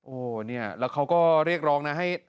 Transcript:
โอ้โหเนี่ยแล้วเขาก็เรียกร้องนะให้